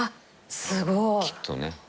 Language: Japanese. すごい。きっとね。